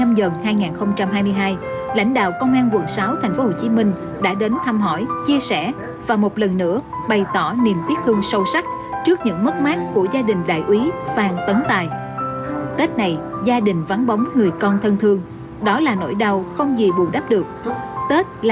trong đó có đại úy phan tấn tài cán bộ đội cảnh sát điều tra tội phạm về ma túy công an đầy nhiệt huyết